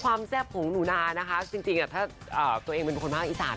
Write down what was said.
ความแทบของหนูนานะคะจริงถ้าตัวเองเป็นคนบ้างอิศรณ์